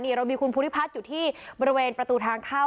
เรามีคุณภูริพัฒน์อยู่ที่บริเวณประตูทางเข้า